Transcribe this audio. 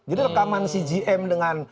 jadi rekaman cgm dengan